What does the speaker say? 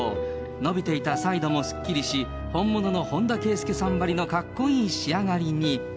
伸びていたサイドもすっきりし、本物の本田圭佑さんばりのかっこいい仕上がりに。